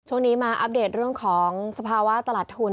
ช่วงนี้มาอัปเดตเรื่องของสภาวะตลาดทุน